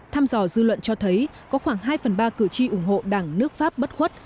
thăm dò dư luận cho thấy có khoảng hai phần ba cử tri ủng hộ đảng nước pháp bất khuất